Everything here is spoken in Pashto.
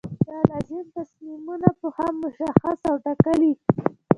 دا لازم تصمیمونه هم مشخص او ټاکي.